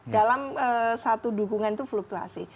dalam satu dukungan itu fluktuasi